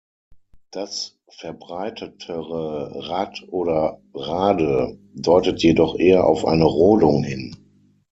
Das verbreitetere Rad- oder Rade- deutet jedoch eher auf eine Rodung hin.